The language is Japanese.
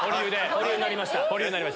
保留になりました。